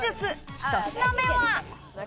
１品目は。